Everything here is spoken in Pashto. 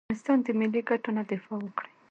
د افغانستان د ملي ګټو نه دفاع وکړي.